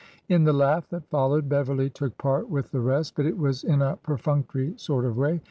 '' In the laugh that followed, Beverly took part with the rest, but it was in a perfunctory sort of way.